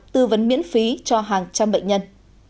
tư vấn miễn phí cho hàng trăm người